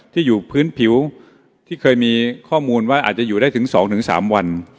ที่อยู่พื้นผิวที่เคยมีข้อมูลว่าอาจจะอยู่ได้ถึง๒๓วัน